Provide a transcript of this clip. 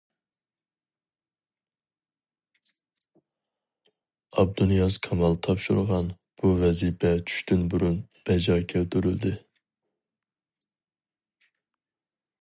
ئابدۇنىياز كامال تاپشۇرغان بۇ ۋەزىپە چۈشتىن بۇرۇن بەجا كەلتۈرۈلدى.